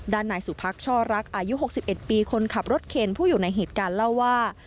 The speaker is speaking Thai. นายสุพักช่อรักอายุ๖๑ปีคนขับรถเคนผู้อยู่ในเหตุการณ์เล่าว่า